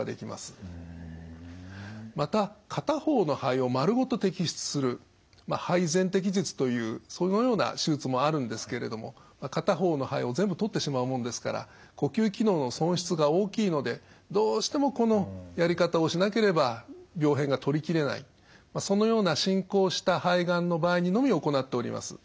また片方の肺をまるごと摘出する肺全摘術というそのような手術もあるんですけれども片方の肺を全部取ってしまうもんですから呼吸機能の損失が大きいのでどうしてもこのやり方をしなければ病変が取りきれないそのような進行した肺がんの場合にのみ行っております。